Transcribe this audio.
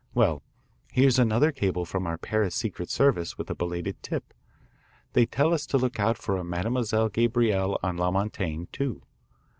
Well, here's another cable from our Paris Secret Service with a belated tip. They tell us to look out for a Mademoiselle Gabrielle on La Montaigne, too.